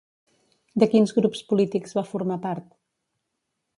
De quins grups polítics va formar part?